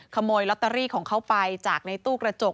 ขโมยลอตเตอรี่ของเขาไปจากในตู้กระจก